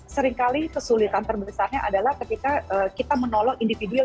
seringkali kesulitan terbesarnya adalah ketika kita menolong individual